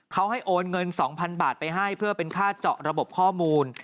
เขาให้โอนเงิน๒๐๐๐บาทไปให้เพื่อเป็นค่าเจาะระบบข้อมูล